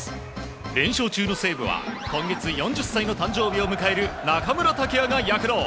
連勝中の西武は今月４０歳の誕生日を迎える中村剛也が躍動。